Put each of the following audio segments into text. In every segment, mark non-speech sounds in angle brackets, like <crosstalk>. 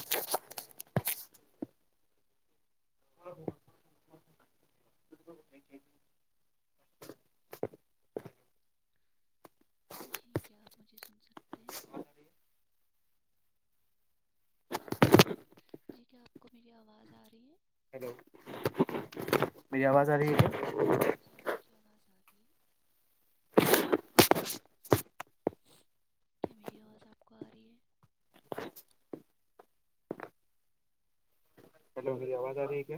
ٹ جی کیا آپ مجھے سن سکتے ہیں جی کیا آپ کو میری آواز آ رہی ہے ہیلو میری جی آواز آ رہی کیا جی آپ کی آواز آ رہی ہے <inaudible> کیا میری آواز آپ کو آ رہی ہے ہیلو آواز آ رہ ہے کیا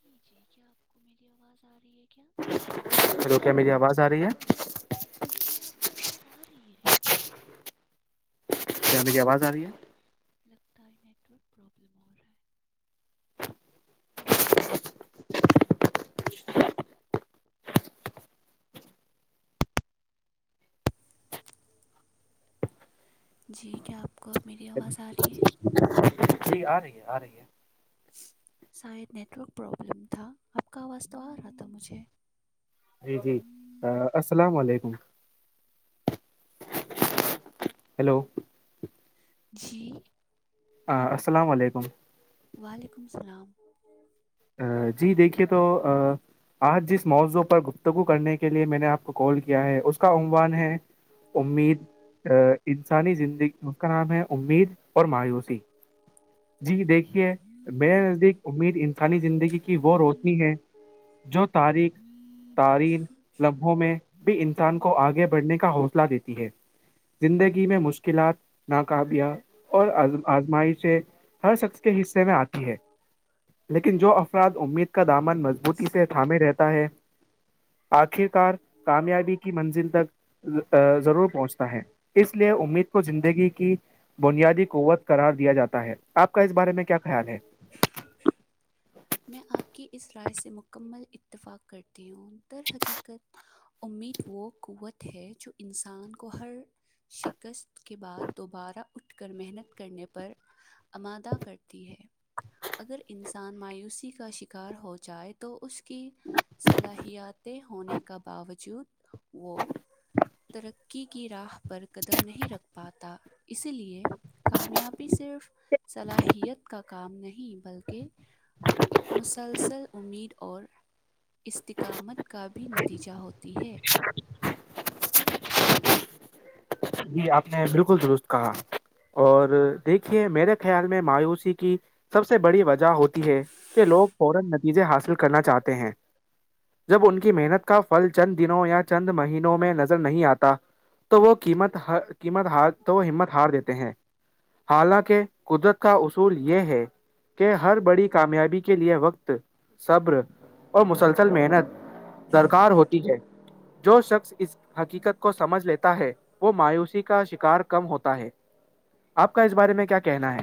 جی جی کیا آپ کو میری آواز آ رہی ہے کیا چل کیا میری آواز آ رہی ہے جی آپ کی آواز آ رہی ہے کیا میری آواز آ جلیاز رہی ہے لگتا نیٹورک پرابلم ہو رہا ہے جی کیا آپ کو اب میری آواز آ رہی ہے جی آ رہی ہے آ رہی ہے شاید نیٹ ورک پرابلم تھا آپ کا آواز تو آ رہا تھا مجھے جی جی السلام علیکم ہیلو جی اں السلام علیکم وعلیکم السلام جی دیکھیے تو ا آج جس موضوع پر گفتگو کرنے کے لیے میں نے آپ کو کال کیا ہے اس کا عموان ہے امید انسانی زندگی کا نام ہے امید اور مایوسی جی دیکھیے میرے نزدیک امید ان خالی زندگی کی وہ روشنی ہے جو تاریخ تارین لمحوں میں بھی انسان کو آگے بڑھنے کا حوصلہ دیتی ہے زندگی میں مشکلات نقابیاں اورز آزمائیش سے ہر شخص کے حصے میں آتی ہے لیکن جو اف افراد امید کا دامن مضبوطی سے تھامے رہتا ہے آخر کار کامیابی کی منزل تک ضرور پہنچتا ہے اس لیے امید کو زندگی کی بنیادی قوت قرار دیا جاتا ہے آپ کا اس بارے میں کیا خیال ہے میں آپ کی اس رائے سے مکمل اتفاق کرتی ہوں درحقیقت امید وہ قوت ہے جو انسان کو ہر شکست کے بعد دوبارہ اٹھ کر محنت کرنے پر امادہ کرتی ہے اگر انسان مایوسی کا کا شکار ہو جائے تو اس کے کی صلاحیتیں ہونے کا باوجود وہ ترقی کی راہ پر قدم نہیں رکھ پاتا اسی لیے کامیابی صرف صلاحیت کا کام نہیں بلکہ مسلسل امید اور استقامت کا بھی نتیجہ ہوتی ہے جی آپ نے بالکل درست کہا اور دیکھیے میرے خیال میں مایوسی کی سب سے بڑی وجہ ہوتی ہے کہ لوگ فورا نتیجے حاصل کرنا چاہتے ہیں جب ان کی محنت کا فل چند دنوں یا چند مہینوں میں نظر نہیں آتا تو وہ قیمت قیمت ہار تو وہ ہمت ہار دیتے ہیں حالانکہ قدرت کا اصول یہ ہے کہ ہر بڑی کامیابی کے لیے وقت صبر اور مسلسل محنت درکار ہوتی ہے جو شخص اس حقیقت کو سمجھ لیتا ہے وہ مایوسی کا شکار کم ہوتا ہے آپ کا اس بارے میں کیا کہنا ہے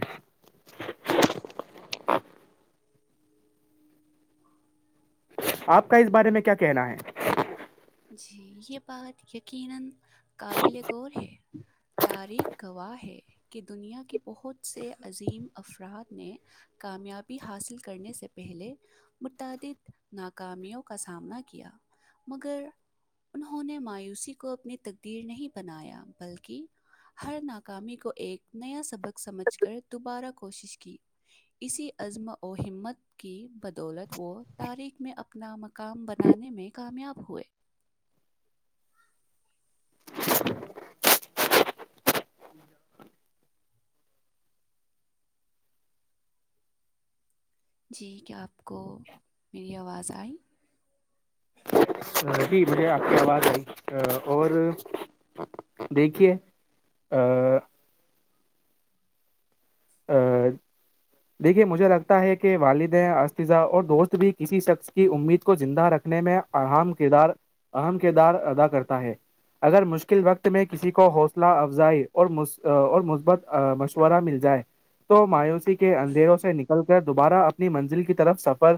<inaudible> آپ کا اس بارے میں کیا کہنا ہے جی یہ بات یقینا قابل غور ہے تاریخ گواہ ہے کہ دنیا کے بہت سے عظیم افراد نے کامیابی حاصل کرنے سے پہلے متعدد ناکامیوں کا سامنا کیا مگر انہوں نے مایوسی کو اپنی تقدیر نہیں بنایا بلکہ ہر ناکامی کو ایک نیا سبق سمجھ کر دوبارہ کوشش کی اسی عزم و ہمت کی بدولت وہ تاریخ میں اپ اپنا مقام بنانے میں کامیاب ہوئے جی کیا آپ کو میری آواز آئی ربی مجھے آپ کے آواز آئی اور دیکھیے آ <unintelligible> <unintelligible> دیکھیے مجھے لگتا ہے کہ والد استذہ اور دوست بھی کسی شخص کی امید کو زندہ رکھ میں اہم کردار اہم کردار ادا کرتا ہے اگر مشکل وقت میں کسی کو حوصلہ افزائی اور اور مثبت مشورہ مل جائے تو مایوسی کے اندھیروں سے نکل کر دوبارہ اپنی منزل کی طرف سفر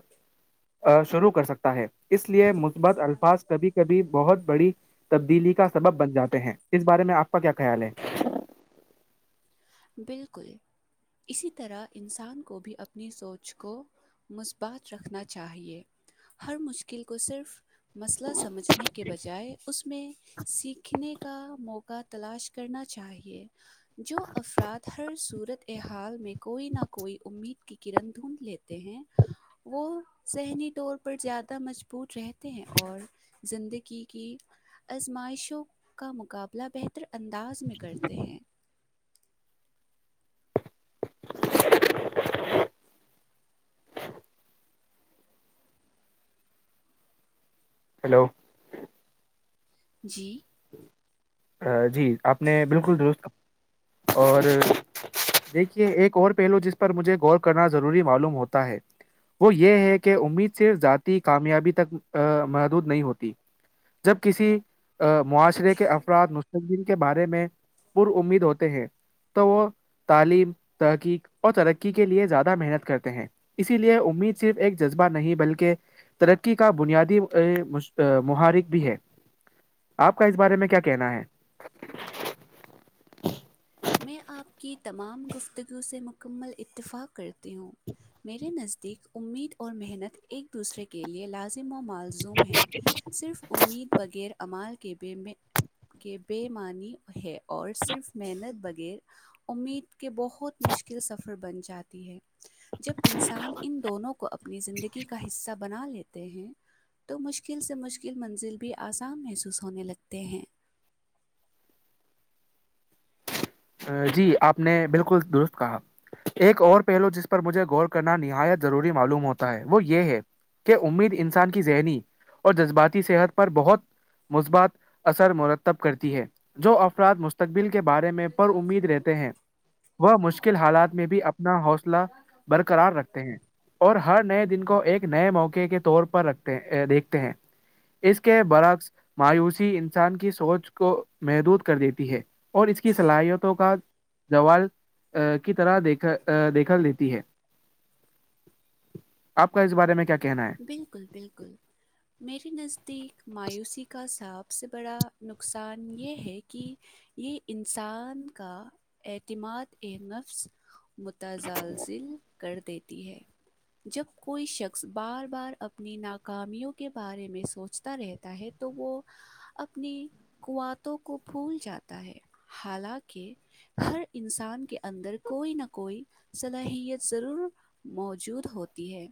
شروع کر سکتا ہے اس لیے مثبت الفاظ کبھی کبھی بہت بڑی تبدیلی کا سبب بن جاتے ہیں اس بارے میں آپ کا کیا خیال ہے بالکل اسی طرح انسان کو بھی اپنی سوچ کو مثبات رکھنا چاہیے ہر مشکل کو صرف مسئلہ سمجھنے کے بجائے اس میں سیکھنے کا موقع تلاش کرنا چاہیے جو افراد ہر صورت حال میں کوئی نہ کوئی امید کی کرن ڈھونڈ لیتے ہیں وہ ذہنی طور پر زیادہ مجبور رہتے ہیں اور زندگی کی آزمائشوں کا مقابلہ بہتر پطر انداز میں کرتے ہیں ہیلو جی جی آپ نے بالکل درست اور دیکھیے ایک اور پہلو جس پر مجھے غور کرنا ضروری معلوم ہوتا ہے وہ یہ ہے کہ امید صرف ذاتی کامیابی تک محدود نہیں ہوتی جب کسی معاشرے کے افراد مستقین کے بارے میں پر امید ہوتے ہیں تو وہ تعلیم تحقیق اور ترقی کے لیے زیادہ محنت کرتے ہیں اسی لیے امید صرف ایک جذبہ نہیں بلکہ ترقی کا بنیادی محارک بھی ہے آپ کا اس بارے میں کیا کہنا ہے میں آپ کی تمام گفتگو سے مکمل اتفاق کرتی ہوں میرے نزدیک امید اور محنت ایک دوسرے کے لئے لازمی معلزوم ہیں صرف امید بغیر امال کے کے بےمانی ہے اور صرف محنت بھی بغیر امید کے بہت مشکل سفر بن جاتی ہے جب انسان ان دونوں کو اپنی زندگی کا حصہ بنا لیتے ہیں تو مشکل سے مشکل منزل بھی آسان محسوس ہونے لگتے ہیں جی آپ نے بالکل درست کہا ایک اور پہلو جس پر مجھے غور کرنا نہایت ضروری معلوم ہوتا ہے وہ یہ ہے کہ امید انسان کی ذہنی اور جذباتی صحت پر بہت مثبات اثر مرتب کرتی ہے جو افراد مستقبل کے بارے میں میں پر امید رہتے ہیں وہ مشکل حالات میں بھی اپنا حوصلہ برقرار رکھتے ہیں اور ہر نئے دن کو ایک نئے موقعے کے طور پر رکھتے ہیں دیکھتے ہیں اس کے برعکس مایوسی انسان کی سوچ کو محدود کر دیتی ہے اور اس کی صلاحیتوں کا جوال کی طرح د دیکھا دیتی ہے آپ کا اس بارے میں کیا کہنا ہے بالکل بالکل میرے نزدیک مایوسی کا صاحب سب سے بڑا نقصان یہ ہے کہ یہ انسان کا اعتماد ایک نفس متزلزل کر دیتی ہے جب کوئی شکص بار بار اپنی ناکامیوں کے بارے میں سوچتا رہتا ہے تو وہ اپنی کوتوں کو پھول جاتا ہے حالانکہ ہر انسان کے اندر کوئی نہ کوئی صلاحیت ضرور موجود ہوتی ہے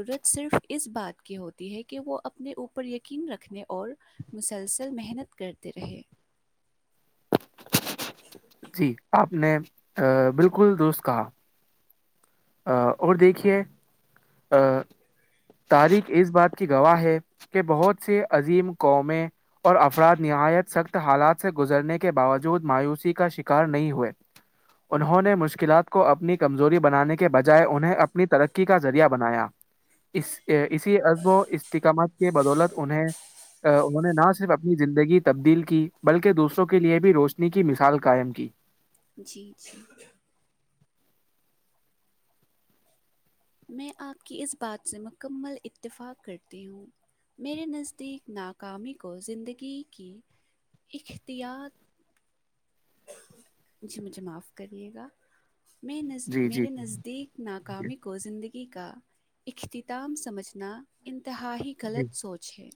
ضت صرف اس بات کی ہوتی ہے کہ وہ اپنے اوپر یقین رکھنے اور مسلسل محنت کرتے رہے جی آپ نے بالکل درست کہا اور دیکھیے تاریخ اس بات کی گواہ ہے کہ بہت س عظیم قومیں اور افراد نہایت سخت حالات سے گزرنے کے باوجود مایوسی کا شکار نہیں ہوئے انہوں نے مشکلات کو اپنی کمزوری بنانے کے کے بجائے انہیں اپنی ترقی کا ذریعہ بنایا اس اسی عزب و استقامت کے بدولت انہیں انہوں نے نہ صرف اپنی زندگی تبدیل کی بلکہ دوسروں کے لیے بھی روشنی کی مثال قائم کی جی جی <inaudible> میں آپ کی اس بات سے مکمل اتفاق کرتی ہوں میرے نزدیک ناکامی کو زندگی کی اختیاط جی مجھے معاف کریے گا میں ن جی جی میرے نزدیک ناکامی جی کو زندگی کا اختتام سمجھنا انتہائی کا غلط سوچ ہے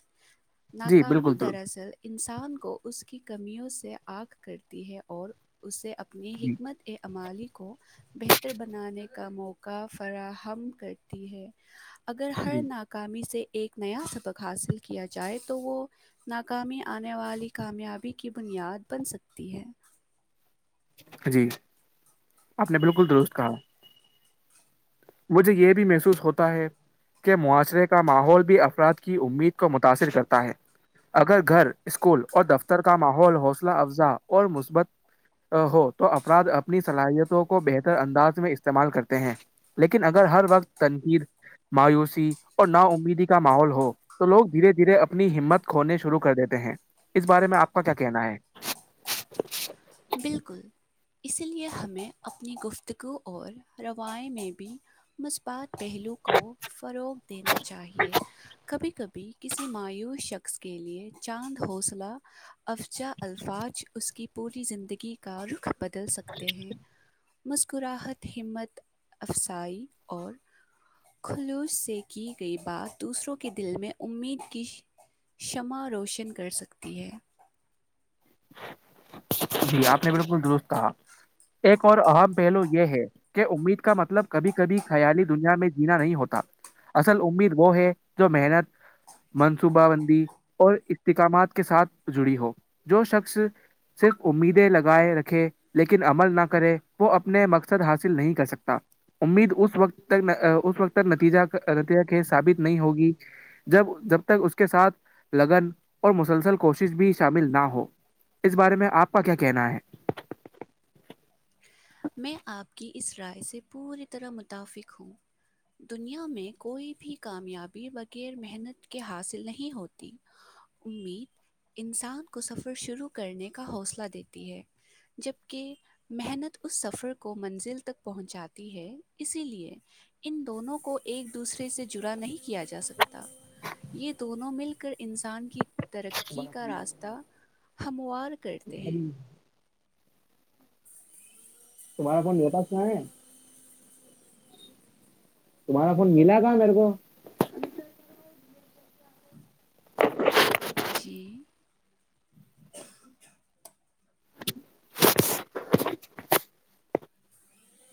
جی بالکل ناکامی درست دراصل انسان کو اس کی کمیوں سے آگ کرتی ہے اور اسے اپ اپنی جی حکمت امالی کو بہتر بنانے کا موقع فراہم کر ہے اگر ہر جی ناک کاام سے ایک نیا سبق حاصل کیا جائے تو وہ ناکامی آنے والی کامیابی کی بنیاد بن سکتی ہے جی آپ نے بالکل درست کہا مجھے یہ بھی محسوس ہوتا ہے کے معاشرے کا ماحول بھی افراد کی امید کو متاثر کرتا ہے اگر گھر اسکول اور دفتر کا ماحول حوصلہ افزا اور مثبت ہو تو افراد اپنی صلاحیتوں کو بہتر انداز میں استعمال کرتے ہیں لیکن اگر ہر وقت تنقید مایوسی اور نا امیدی کا ماحول ہو تو لوگ دھیرے دھیرے اپنی ہمت کھونے شروع کر دیتے ہیں اس بارے میں آپ کا کیا کہنا ہے بالکل اسی لیے ہمیں اپنی گفتگو اور روائے میں بھی مثبات پہلو کو فروغ دینا چاہیے کبھی کبھی کسی مایوس شخص کے لیے چاند حوصلہ افجا الفاظ اس کی پوری زندگی کا رخ بدل سکتے ہیں مذکراہٹ ہمت افسائی اور خلوص سے کی گئی بات دوسروں کے دل میں امید کی شمع روشن کر سکتی ہے جی آپ نے بالکل درست کہا ایک اور اہم پہلو یہ ہے کہ امید کا مطلب کبھی کبھی خیالی دنیا میں جینا نہیں ہوتا اصل امید وہ ہے جو محنت منصوبہ بندی اور استحقامات کے ساتھ جڑی ہو جو شخص صرف امیدیں لگائے رکھے لیکن عمل نہ کرے وہ اپنے مقصد حاصل نہیں کر سکتا امید اس وقت تک اس وقت تک نتیجہ نتیجہ ک ثابت نہیں ہوگی جب جب تک اس کے ساتھ لگن اور مسلسل کوشش بھی شامل نہ ہو ہو اس بارے میں آپ کا کیا کہنا ہے میں آپ کی اس رائے سے پوری طرح متفق ہوں دنیا میں کوئی بھی کامیابی بغیر محنت کے حاصل نہیں ہوتی امید انسان کو سفر شروع کرنے کا حوصلہ دیتی ہے جبکہ محنت اس سفر کو منزل تک پہنچاتی ہے اسی لیے ان دونوں کو ایک دوسرے سے جڑا نہیں کیا جا سکتا یہ دونوں مل کر انسان کی ترقی کا راستہ ہموار کرتے ہیں <inaudible> تمہاران نیتاس ہے تمہارا فون ملا تھا میرے کو جی